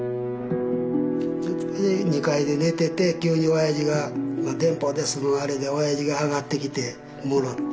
２階で寝てて急におやじが「電報です」のあれでおやじが上がってきてもろうて。